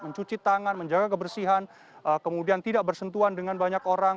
mencuci tangan menjaga kebersihan kemudian tidak bersentuhan dengan banyak orang